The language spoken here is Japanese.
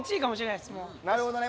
なるほどね。